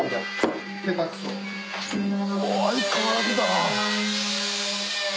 相変わらずだな。